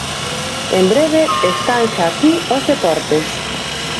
En breve están xa aquí os deportes.